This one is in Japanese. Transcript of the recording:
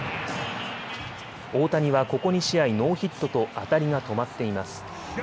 大谷はここ２試合ノーヒットと当たりが止まっています。